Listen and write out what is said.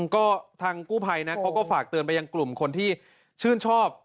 ก็ทางกู้ภัยนะเขาก็ฝากเตือนไปยังกลุ่มคนที่ชื่นชอบ